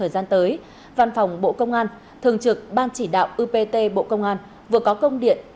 thời gian tới văn phòng bộ công an thường trực ban chỉ đạo upt bộ công an vừa có công điện